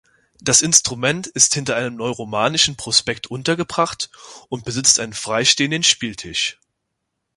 Das Instrument ist hinter einem neuromanischen Prospekt untergebracht und besitzt einen freistehenden Spieltisch.